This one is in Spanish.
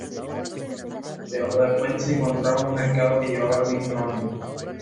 Debajo del puente se encontraba un mercado que llevaba el mismo nombre.